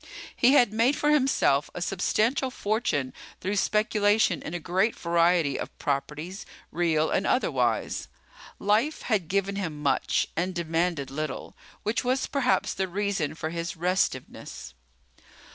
He had made for himself a substantial fortune through speculation in a great variety of properties, real and otherwise. Life had given him much and demanded little, which was perhaps the reason for his restiveness.